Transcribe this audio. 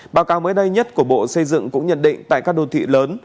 báo cáo mới đây nhất của bộ xây dựng cũng nhận định tại các đô thị lớn